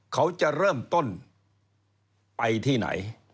เขาจะเริ่มต้นไปที่ไหน